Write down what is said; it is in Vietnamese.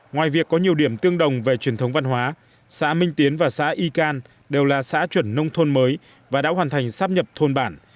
ngoài việc có nhiều điểm tương đồng về truyền thống văn hóa xã minh tiến và xã y can đều là xã chuẩn nông thôn mới và đã hoàn thành sáp nhập thôn bản